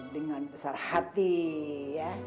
dengan besar hati ya